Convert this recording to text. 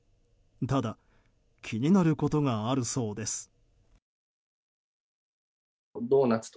ただ、気になることがあるそうです。